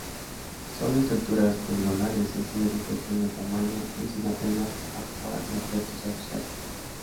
Son estructuras poligonales sencillas de pequeño tamaño y sin apenas ajuar ni objetos asociados.